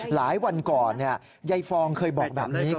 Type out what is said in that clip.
หลายวันก่อนยายฟองเคยบอกแบบนี้